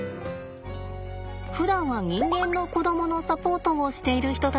ふだんは人間の子供のサポートをしている人たちです。